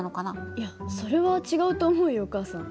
いやそれは違うと思うよお母さん。